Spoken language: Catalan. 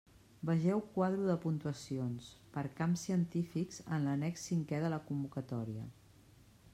Vegeu quadro de puntuacions, per camps científics en l'annex cinqué de la convocatòria.